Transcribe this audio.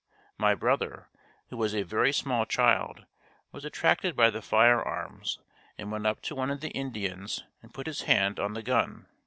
My brother, who was a very small child was attracted by the fire arms and went up to one of the Indians and put his hand on the gun.